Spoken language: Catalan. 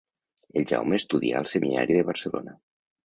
El Jaume estudià al Seminari de Barcelona.